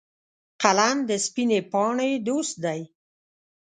قلم د سپینې پاڼې دوست دی